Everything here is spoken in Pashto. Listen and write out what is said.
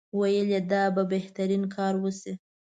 ویل یې دا به بهترین کار وشي.